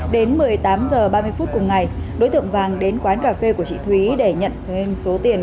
đến một mươi tám h ba mươi phút cùng ngày đối tượng vàng đến quán cà phê của chị thúy để nhận thêm số tiền